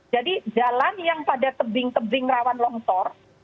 jadi jalan yang pada tebing tebing rawan longsor